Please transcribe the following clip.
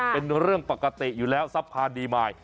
เป็นเรื่องปกติอยู่แล้วทรัพพานดีมาย